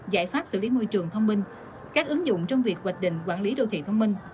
giải pháp xử lý môi trường thông minh các ứng dụng trong việc hoạch định quản lý đô thị thông minh